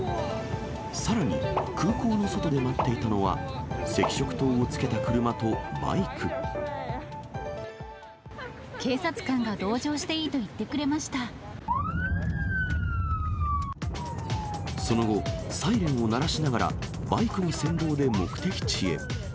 さらに、空港の外で待っていたのは、警察官が同乗していいと言っその後、サイレンを鳴らしながら、バイクの先導で目的地へ。